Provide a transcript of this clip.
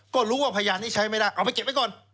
ก็รู้ว่าพยานที่ใช้ไม่ได้เอาไปเก็บไว้ก่อน